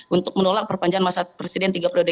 untuk menolak perpanjangan masa presiden tiga periode